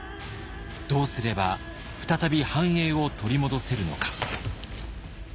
どうすれば再び繁栄を取り戻せるのか。